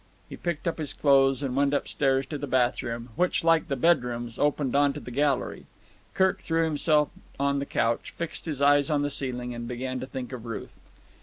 He picked up his clothes and went upstairs to the bathroom, which, like the bedrooms, opened on to the gallery. Kirk threw himself on the couch, fixed his eyes on the ceiling, and began to think of Ruth.